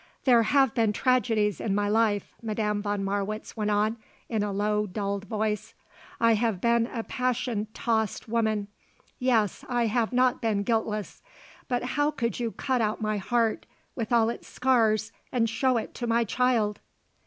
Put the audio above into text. "There have been tragedies in my life," Madame von Marwitz went on in the low, dulled voice. "I have been a passion tossed woman. Yes, I have not been guiltless. But how could you cut out my heart with all its scars and show it to my child?"